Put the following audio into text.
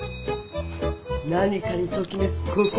何かにときめく心。